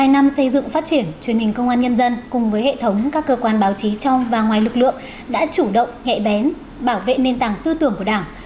một mươi năm xây dựng phát triển truyền hình công an nhân dân cùng với hệ thống các cơ quan báo chí trong và ngoài lực lượng đã chủ động nhạy bén bảo vệ nền tảng tư tưởng của đảng